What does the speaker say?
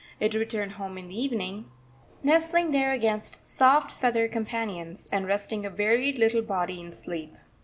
It returned home in the evening, nestling there against soft feathered companions, and resting a wearied little body in sleep.